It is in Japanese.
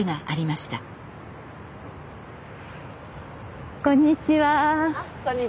あっこんにちは。